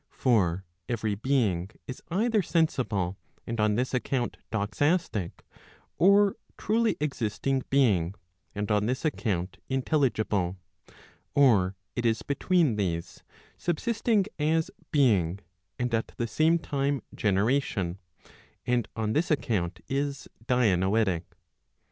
For every being is either sensible, and on this account doxastic, or truly existing being, and on this account intelligible, or it is between these, subsisting as being and at the same time generation , and on this account is dianoetic.